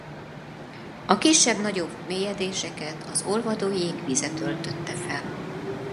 A kisebb-nagyobb mélyedéseket az olvadó jég vize töltötte fel.